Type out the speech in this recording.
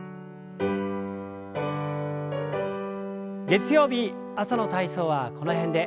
月曜日朝の体操はこの辺で。